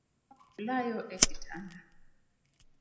Nyathino olayo e kitanda.